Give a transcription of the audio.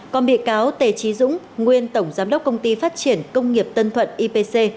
còn bị cáo tề trí dũng nguyên tổng giám đốc công ty phát triển công nghiệp tân thuận ipc